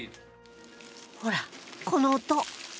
ほらこの音！